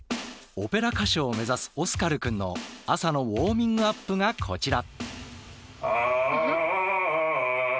オペラ歌手を目指すオスカルくんの朝のウォーミングアップがこちら。